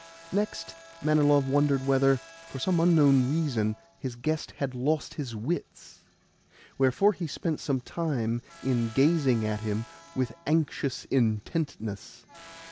Next, Manilov wondered whether, for some unknown reason, his guest had lost his wits; wherefore he spent some time in gazing at him with anxious intentness.